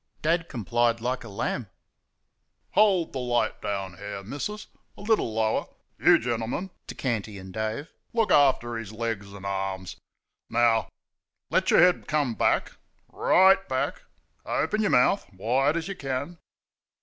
Dad complied like a lamb. "Hold the light down here, missis a little lower. You gentlemen" (to Canty and Dave) "look after his legs and arms. Now, let your head come back right back, and open your mouth wide as you can."